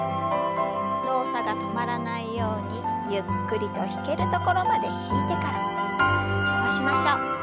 動作が止まらないようにゆっくりと引けるところまで引いてから伸ばしましょう。